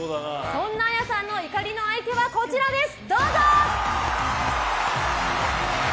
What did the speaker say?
そんなＡＹＡさんの怒りの相手はこちらです。